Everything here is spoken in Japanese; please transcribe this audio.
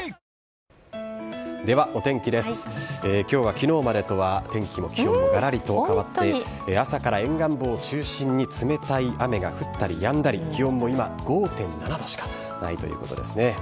きょうはきのうまでとは天気も気温もがらりと変わって、朝から沿岸部を中心に冷たい雨が降ったりやんだり、気温も今、５．７度しかないということですね。